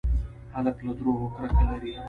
هلک له دروغو کرکه لري.